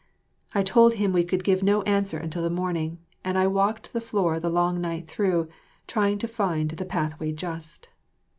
We told him we could give no answer until the morning, and I walked the floor the long night through, trying to find the pathway just.